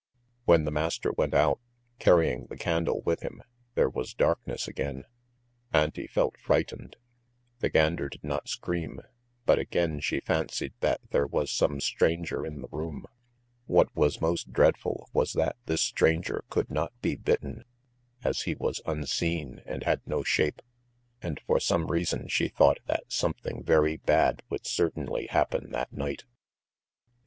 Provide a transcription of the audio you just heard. When the master went out, carrying the candle with him, there was darkness again. Auntie felt frightened. The gander did not scream, but again she fancied that there was some stranger in the room. What was most dreadful was that this stranger could not be bitten, as he was unseen and had no shape. And for some reason she thought that something very bad would certainly happen that night.